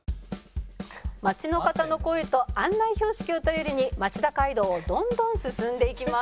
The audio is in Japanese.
「街の方の声と案内標識を頼りに町田街道をどんどん進んでいきます」